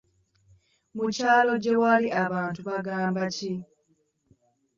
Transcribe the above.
Mu kyalo gye wali abantu baagamba ki?